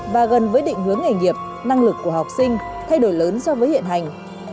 và gần với định hướng nghề nghiệp năng lực của học sinh thay đổi lớn so với hiện hành